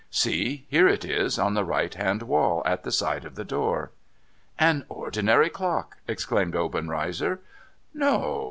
See ! here it is, on the right hand wall at the side of the door.' ' An ordinary clock,' exclaimed Obenreizer. ' No